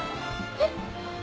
えっ？